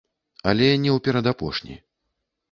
Але не ў перадапошні.